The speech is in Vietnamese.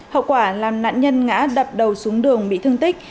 hậu quả làm nạn nhân ngã đập đầu xuống đường bị thương tích